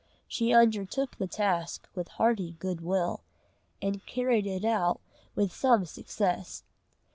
She undertook the task with hearty good will, and carried it out with some success.